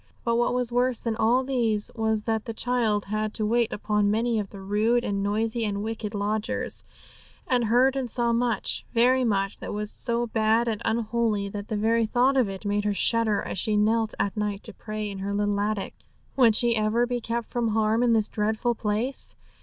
But what was worse than all these was that the child had to wait upon many of the rude and noisy and wicked lodgers, and heard and saw much, very much, that was so bad and unholy, that the very thought of it made her shudder as she knelt at night to pray in her little attic. Would she ever be kept from harm in this dreadful place?